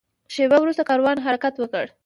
شېبه وروسته کاروان حرکت وکړ.